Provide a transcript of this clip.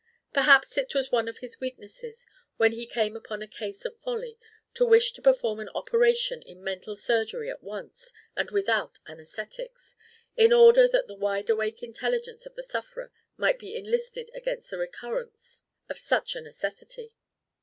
Perhaps it was one of his weaknesses, when he came upon a case of folly, to wish to perform an operation in mental surgery at once and without anæsthetics, in order that the wide awake intelligence of the sufferer might be enlisted against the recurrence of such a necessity.